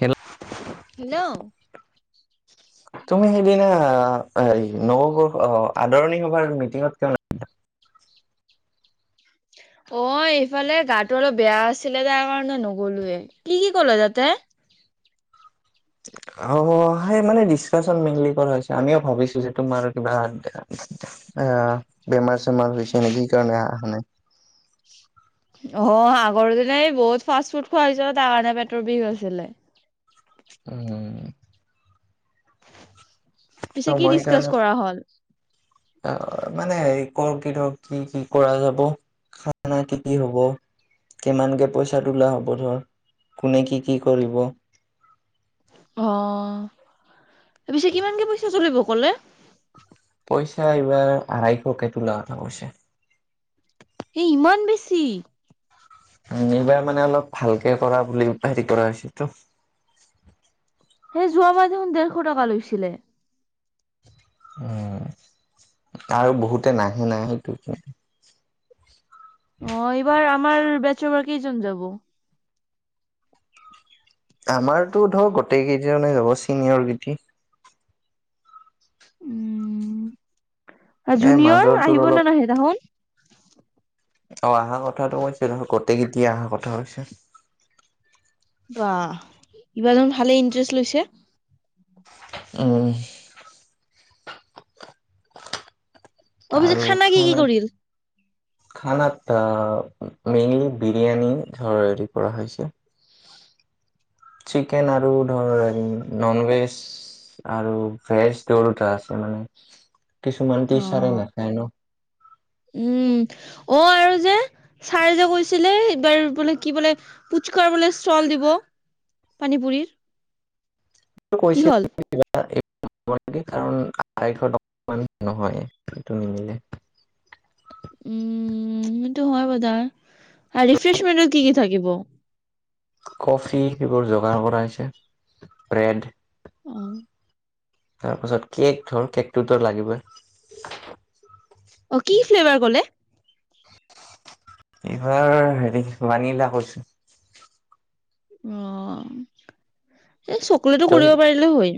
Hello hello তুমি সেইদিনা এই নৱবৰ্ষ, অ' আদৰণি সভাৰ মিটিঙত কিয় অ' এইফালে গাটো অলপ বেয়া আছিলে তাৰ কাৰণে নগলোয়ে, কি কি কল তাতে? অ সেই মানে ডিচকাশচন মেইনলি কৰা হৈছে, আমিও ভাবিছো যে তোমাৰ কিবা, আহ বেমাৰ-চেমাৰ হৈছে নেকি, কি কাৰণে আহা নাই অ আগৰ দিনে বহুত ফাষ্ট ফুড খোৱা হৈছিল, তাৰ কাৰণে পেটৰ বিষ আছিলে। উম। ত পিছে কি মই ডিচকাছ সেইকাৰণে, কৰা হ'ল আহ মানে কৰ কি ধৰ, কি কি কৰা যাব, খানা কি কি হব, কিমানকে পইচা তোলা হব, ধৰ কোনে কি কি কৰিব। অ' পিছে কিমানকে পইচা চলিব কলে? পইচা এবাৰ আঢাইশ কে টোলা হৈছে। এ ইমান বেছি। নবাৰ মানে অলপ ভালকে কৰা বুলি হেৰি কৰা হৈছেতো। সেই যোৱ মাৰ দেখোন দেৰশ টকা লৈছিলে। উম আৰু বহুতে নাহে নাহ সেইটো অ এইবাৰ আমাৰ বেচৰ বা কেইজন যাব? আমাৰতো ধৰ গোটেই কেইদৱজনে যাব‌, চিনিয়ৰ কিটি। উম এ জুনিয়ৰ, মাজৰটোৰ আহিব অলপ নে নাহে তাহোন? অ অহা কথাটো কৈছিল, গোটেইকিটি অহা কথা কৈছে। বাহ, এবাৰ দেখোন ভালে ইন্টাৰেষ্ট লৈছে। উম। অ পিছে আৰু খানা কি কি খানাত, কৰিল খানাত এ মেইনলি বিৰিয়ানী, ধৰ হেৰি কৰা হৈছে। চিকেন আ আৰু ধৰ নন ভে আৰু ভেজ দুয়োদুটা আছে মানে। কিছুমান টিচাৰে অ নাখায় ন। উম, অ আৰু যে, ছাৰে যে কৈছিলে এইবাৰ বোলে, কি বোলে পুচকাৰ বোলে চল দিব, পানী পুৰ কি কৈছিল হল? [unintelligible] নহয়, সেইটো নিমিলে। উম, সেইটো হোৱা কথা। আৰু ৰিফ্ৰেছমেণ্টত কি কি থাকিব? কফি, সেইবোৰ যোগাৰ কৰা হৈছে, ব্ৰেড উম। তাৰপাছত কেক ধৰ, কেকটোতো লাগিবই। কেইবাৰ গ'লে? [unintelligible] হেৰি মানিলা কৈছো। অ'। এই চকলেটো কৰিব পাৰিলে হয়।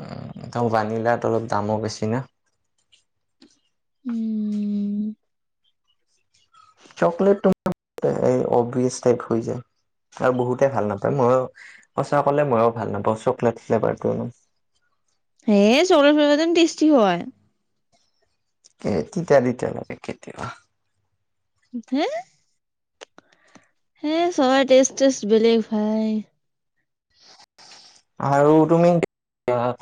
উ, ত' ভানিলাটো অলপ দামো বেছি না। উম। চকলেতটো [unintelligible] অভিয়েচ টাইপ হয় যায়, আৰু বহুতে ভাল নাপায়। মই সঁচা কলে মইওঁ ভাল নাপাওঁ চকলেট ফ্লেভাৰটো ইমান হে চকলেট ফ্লেভাৰ চোন টেষ্টি হয়। এ, তিতা তিতা লাগে কেতিয়াবা হে। হে, সবাই টেষ্ট টেষ্ট বেলেগ ভাই। আৰু তুমি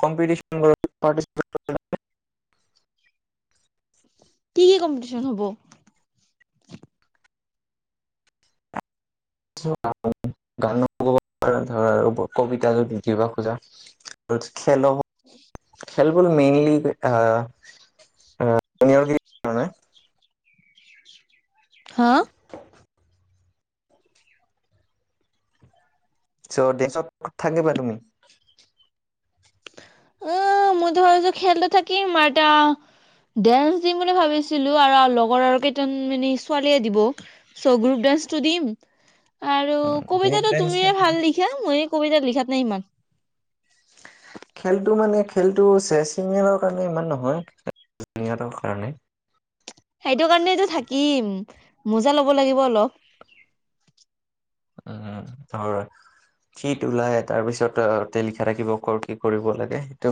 কম্পিতিছন [unintelligible] পাৰ্তিছিপেত। [unintelligible] কি কি কম্পিটিশন হব? [unintelligible] কবিতা যদি দিব খোজা। খেল [unintelligible] মেইনলী হা, আ, [unintelligible] হা। চ' [unintelligible] থাকিবা তুমি। অ', মইতো ভাবছো খেলটো থাকিম আৰু এটা ডেন্স দিম বুলি ভাবিছিলো আৰু, আৰু লগৰ আৰু কেইটান মানে ছোৱালীয়ে দিব চ', গ্ৰুপ ডান্সটো দিম। আৰু গ্ৰুপ কবিতাটো ডেন্স তুমিয়ে ভাল লিখা, ময়ে কবিতা লিখা [unintelligible] খেলটো মানে খেলটো চে-চিনিয়ৰৰ কাৰণে ইমান নহয়, জুনিয়ৰৰ কাৰণে। সেইটো কাৰণেটো থাকিম। মুজা ল'ব লাগিব অলপ। উম, হয়, শীত ওলাই তাৰপিছতে তাতে লিখা থাকিব ক'ৰ, কি, কৰিব লাগে সেইটো।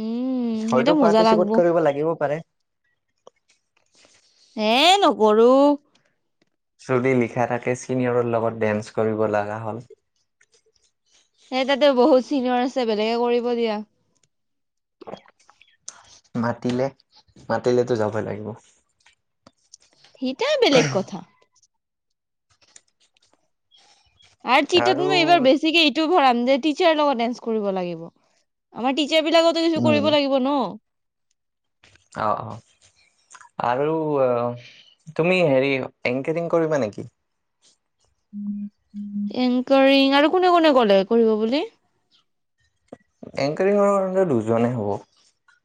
উম এতিয়া হয়তো, মজা লাগব। পাৰ্টিচিপেট কৰিব লাগিব পাৰে। এই নকৰোঁ। যদি লিখা থাকে, ছিনিয়ৰৰ লগত ডেন্স কৰিব লগা হ'ল। সেই তাতে বহুত চিনিয়ৰ আছে, বেলেগে কৰিব দিয়া। মাতিলে, মাতিলেতো যাবই লাগিব। সেইটা বেলেগ কথা। আৰু [unintelligible] এইবাৰ বেছিকে [unintelligible] টিচাৰ লগত ডান্স কৰিব লাগিব, আমাৰ টি [unintelligible] উম কৰিব লাগিব ন? অ', অ', আৰু আ, তুমি হেৰি এনকৰিং কৰিবা নেকি? এংকাৰিং আৰু কোনে, কোনে ক'লে কৰিব বুলি? এংকাৰিঙৰ কাৰণ দুজনে হ'ব,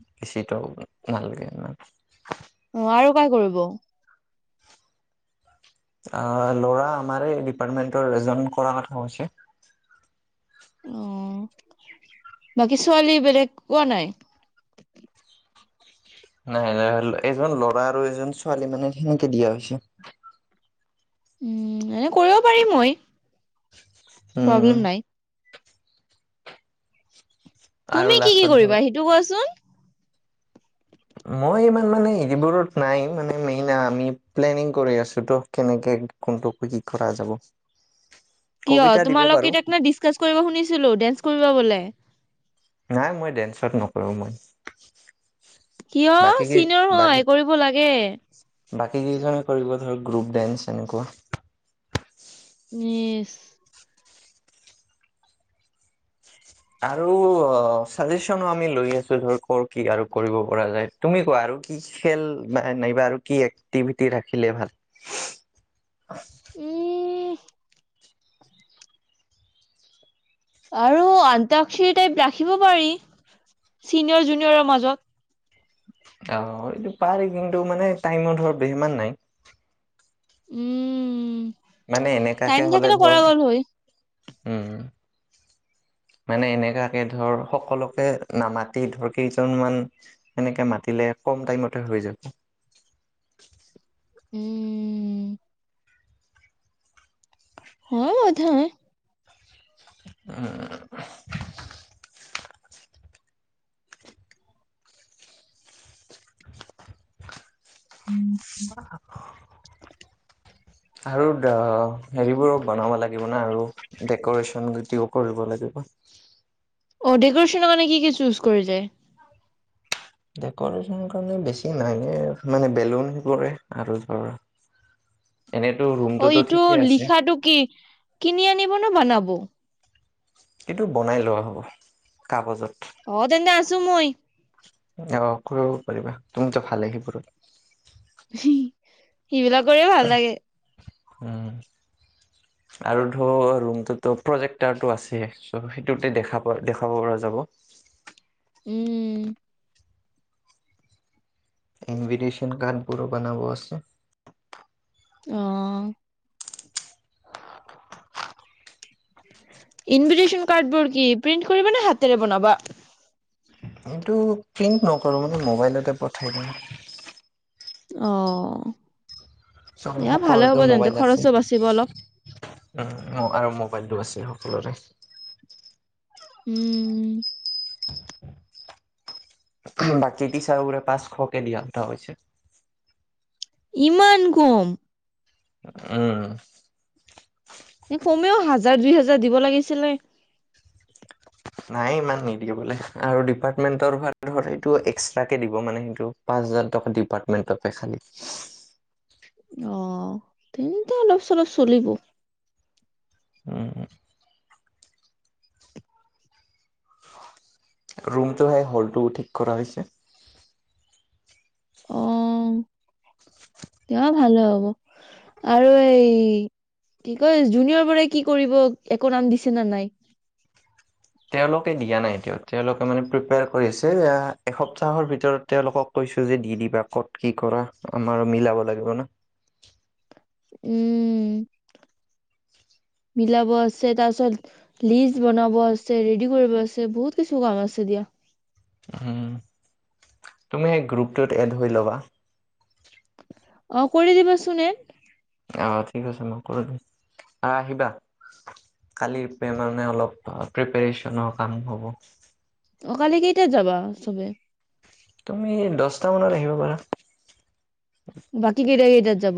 বেছিতো নালাগে ইমান। [unintelligible] অ', ল'ৰা আমাৰেই ডিপাৰ্টমেন্টৰ এজন কৰা কথা কৈছে। অ', বাকী ছোৱালী বেলেগ কোৱা নাই? নাই, নাই এজন ল'ৰা আৰু এজন ছোৱালী মানে সেনেকে দিয়া হৈছে। উম, এনে কৰিব পাৰিম মই। উম প্ৰব্লেম নাই। আৰু তুমি কি, কি লাষ্টত ধৰ কৰিবা সেইটো কোৱাচোন? মই ইমান মানে এৰিবোৰত নাই, মানে মেইন আমি প্লেনিং কৰি আছোঁ ত' কেনেকে, কোনটো, কি, কি কৰা যাব। কিয়? কবিতা দিব পাৰো তোমালোকে [unintelligible] নে ডিচকাচ কৰিব শুনিছিলোঁ ডেন্স কৰিব বোলে। নাই, মই ডেন্সত নকৰোঁ মই। কিয়? বাকী চিনিয়ৰ বাকী হয়, কৰিব লাগে। বাকী কেইজনে কৰিলে ধৰক গ্ৰুপ ডেন্স এনেকুৱা ইচ আৰু চাজেচনো আমি লৈ আছো ধৰ ক'ৰ কি আৰু কৰিব পৰা যায়, তুমি কোৱা আৰু কি খেল নাইবা আৰু কি এক্টিভিটি ৰাখিলে ভাল। উম আৰু আন্তক্ষৰী টাইপ ৰাখিব পাৰি, চিনিয়ৰ জুনিয়ৰৰ মাজত অ', এইটো পাৰি, কিন্তু মানে টাইমৰ ধৰ বেমান নাই। উম মানে এনেকাকে টাইম হ'লে থাকিলে ধৰ কৰা গ'ল হয় উম, মানে এনেকাকে ধৰ সকলোকে নামাতি ধৰ কেইজনমান এনেকে মাতিলে কম টাইমতে হৈ যাব। উম হয় [unintelligible] [inaudible] [inaudible] আৰু হেৰিবোৰ বনাব লাগিব ন আৰু ডেক'ৰেচন গোটেও কৰিব লাগিব। অ', ডেক'ৰেচনৰ কাৰণে নে কি কি চুজ কৰিলে? ডেকৰেচনৰ কাৰণে বেছি নানো মানে বেলুন [unintelligible] আৰু [unintelligible] অ' ৰুমটোতো ইটো ঠিকে আছে লিখাটো কি, কিনি আনিব নে বনাব? এইটো বনাই লোৱা হ'ব, কাগজত। অ' তেন্তে আছোঁ মই। অ', কৰিব পাৰিবা। তুমিতো ভালে সেইবোৰত। [inaudible] সেইবিলাক কৰিয়ে ভাল লাগে। উম আৰু ধৰ ৰুমতোটটো প্ৰজেক্টৰটো আছে চ' সেইটোতে দেখা প দেখাব পৰা যাব। উম। ইনভিটেশ্যন কাৰ্ডবোৰো বনাব আছে। অঁ। ইনভিটন কাৰ্ডবোৰ কি প্ৰিন্ট কৰিব নে হাতেৰে বনাবা? এইটো প্ৰিন্ত ন কৰো মানে মোবাইলতে পঠাই দিওঁ। অ' এয়া ভালে হ'ব চব-সকলোতে তেন্তে মোবাইল আছে, খৰচো বাচিব অলপ উম, আৰু মো মোবাইলতো আছেই সকলোৰে। উম। বাকি টিচাৰবোৰে পাঁচশকে দিয়া কথা কৈছে। ইমান কম? উম। কমেও হাজাৰ-দুই হাজাৰ দিব লাগিছিলে। নাই ইমান নিদিয়ে বোলে আৰু ডিপাৰ্টমেন্টৰ ফালৰ পৰা এইটো এক্সট্ৰাকে দিব মানে সেইটো, পাঁচ হাজাৰ টকা ডিপাৰ্টমেন্টে খালি। অ' তেন্ত অলপ- চলপ চলিব। উম। ৰুমটো সেই হলটো ঠিক কৰা হৈছে। অ, দিয়া ভালে হব আৰু এই কি কয় জুনিয়ৰ বোৰে কি কৰিব একো নাম দিছে ন নাই? তেওঁলোকে দিয়া নাই তেওঁলোকে মানে প্ৰপয়াৰ এসপ্তাহৰ ভিতৰত তেওঁলোকক কৈছো যে দি দিবা ক'ত কি কৰা আমাৰ মিলাব লাগিব ন। উম। [unintelligible] মিলাব আছে তাৰপিছত লিজ বনাব আছে, ৰেডি কৰিব আছে বহুত কিছু কাম আছে দিয়া। তুমি সেই গ্ৰুপটোত এড হৈ ল'বা। অ' কৰি দিবাচোন এড। অ' ঠিক আছে মই দিম আৰু আহিবা কালি মে অলপ প্ৰেপেচনৰ কাম হ'ব। অ' কালি কেইটা যাবা চবে? তুমি মানত আহিবা পাৰা [inaudible] বাকী কেইটা কেইটাত যাব?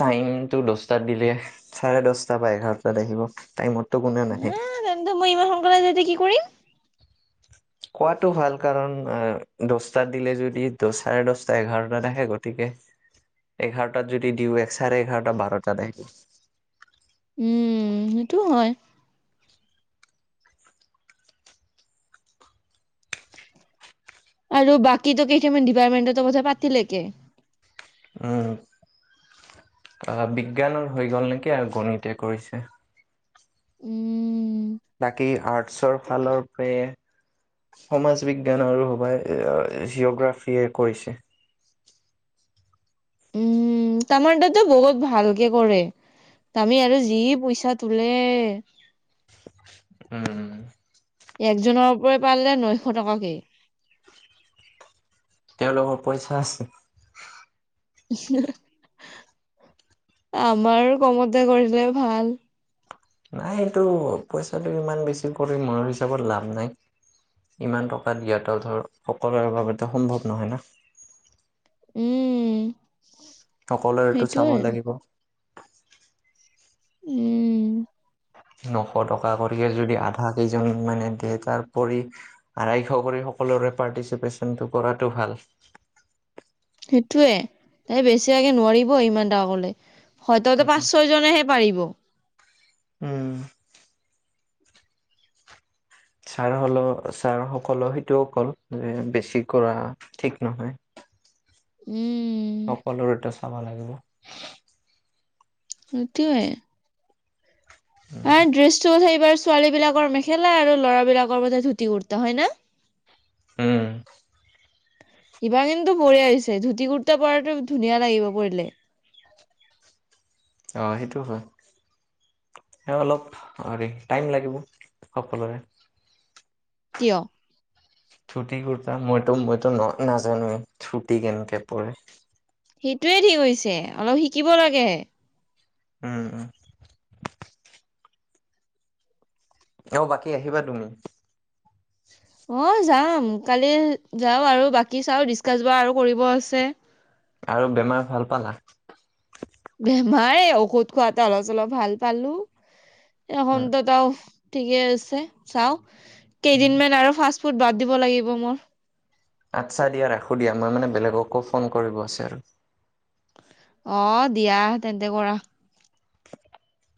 টাইমতটো দহটাত দিলে চাৰে দশটা বা এঘাৰটাত আহিব টাইমত। এ' তেন্ত মই ইমান সোনকালে যায় কি কৰিম? কোৱাতটো ভাল কাৰণ দহটাত দিলে যদি দহ চাৰে দহটা এঘাৰটা থখে গতিকে এঘাৰটাত যদি দিওঁ এক চাৰে এঘাৰটা বাৰটা আহিব [inaudible] উম সেইটো হয়। আৰু বাকী কেইটামান ডিপাৰ্টমেন্টৰ কথা পাতিলে কে উম, অহ বিজ্ঞানৰ হৈ গ'ল নেকি আৰু গণতে কৰিছে। উম বাকী আৰ্টছৰ ফালৰ পৰা সমাজ বিজ্ঞান আৰু জিঅ'গ্ৰাফিয়ীয়ে কৈৰিছে উ তামাৰ তাতো বহুত ভালকে কৰে তামি আৰু যি পইচা তোলে উম একজনৰ পৰা পালে নশ টকাকে [inaudible] তেওঁলোকৰ পইচা আছে [inaudible] আমাৰো কমতে কৰিলে ভাল নাই এইটো পইচাটো ইমান বেছি কৰি মোৰ হিচাপত লাভ নাই ইমান টকা দিয়াটো ধৰ সকলোৰে বাবেতো সম্ভৱ নহয় না [inaudible] উম সকলোৰে এইটোত চাব সেইটোয়ে লাগিব উম নশ টকা কৰিকে যদি আধা কেইজন মানে দিয়ে তাৰপৰি আঢ়াইশ কৰি সকলোৰে পাৰ্টিচিপেশচনটো কৰাটো ভাল [inaudible] সেইটোয়ে এই বেছিভাগে নোৱাৰিব ইমান টকা কলে হয়ততো পাঁচ ছয় জনেহে পাৰিব উম [inaudible] ছাৰা হ'লে ছাৰা সকলেও সেইটোও কয় যে বেছি কৰা ঠিক নহয়। উম সকলোৰ টো চাবা লাগিব। সেইটোৱে। তাৰ ড্ৰেছটো কথাই এইবাৰ ছোৱালী বিলাকৰ মেখেলা আৰু ল'ৰা বিলাকৰ বোলে ধুতি কুৰ্তা হয় না। হম। সিবাৰ কিন্তু বনিয়া হৈছে ধুতি কুুৰ্তা পৰাটো ধুনীয়া লাগিব পৰিলে। অঁ সেইটো হয়, আৰু অলপ হেৰি টাইম লাগিব সকলোৰে। কিয়। ধুতি কুৰ্তা মইতো-মইতো ন নাজানোৱেই ধুতি কেনেকে পৰে। সেইটোৱে ঠিক হৈছে অলপ শিকিব লাগে। উম- উম। অঁ বাকী আহিবা তুমি। অঁ যাম কালি যাওঁ আৰু বাকী চাও ডিচকাছ ব আৰু কৰিব আছে। আৰু বেমাৰ ভাল পালা। বেমাৰ এ ঔষধ খোৱাতে অলপ চলপ ভাল পালো। [unintelligible] ঠিকে আছে চাও। উম কেইদিন মান আৰু ফাচ ফুদ বাদ দিব লাগিব মোৰ। আচ্ছা দিয়া ৰাখোঁ দিয়া মই মানে বেলেগকো ফোন কৰিব আছে আৰু। অঁ দিয়া তেন্তে কৰা। [inaudible]